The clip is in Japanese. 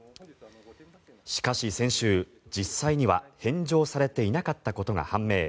しかし、先週、実際には返上されていなかったことが判明。